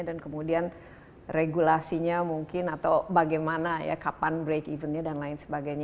dan kemudian regulasinya mungkin atau bagaimana ya kapan break evennya dan lain sebagainya